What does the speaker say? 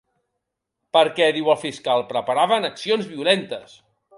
Perquè, diu el fiscal, ‘preparaven accions violentes’.